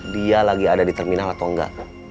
dia lagi ada di terminal atau enggak